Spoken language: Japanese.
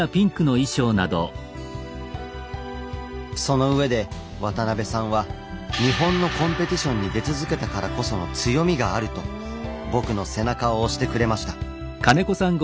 そのうえで渡邉さんは「日本のコンペティションに出続けたからこその強みがある」と僕の背中を押してくれました。